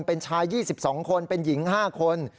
เป็นชาย๒๒คนเป็นหญิง๕คน